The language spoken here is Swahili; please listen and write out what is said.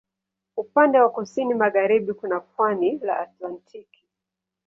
Upande wa kusini magharibi kuna pwani la Atlantiki.